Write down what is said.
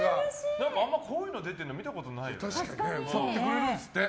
あんまりこういうの出てるの見たことないよね。